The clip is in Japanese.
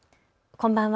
こんばんは。